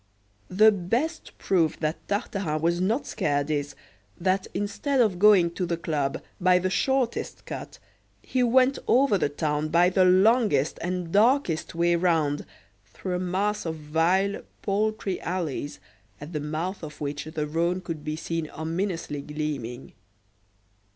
The best proof that Tartarin was not scared is, that instead of going to the club by the shortest cut, he went over the town by the longest and darkest way round, through a mass of vile, paltry alleys, at the mouth of which the Rhone could be seen ominously gleaming.